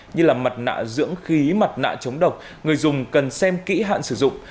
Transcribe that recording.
như là mặt nạ dưỡng khí mặt nạ chống độc người dùng cần xem kỹ hạn sử dụng